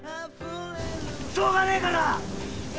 しょうがねえから！